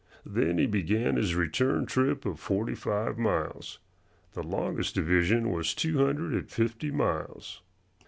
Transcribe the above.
Then he began his return trip of forty five miles. The longest division was two hundred and fifty miles.